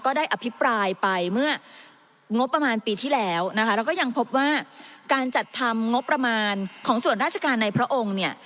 ได้อภิปรายไปเมื่องบประมาณปีที่แล้วนะคะแล้วก็ยังพบว่าการจัดทำงบประมาณของส่วนราชการในพระองค์เนี่ย